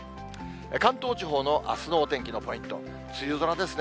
関東地方のあすのお天気のポイント、梅雨空ですね。